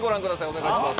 お願いします